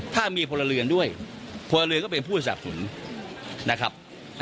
ถ้ามีพลเรือนด้วยพลเรือนก็เป็นผู้สับสนนะครับ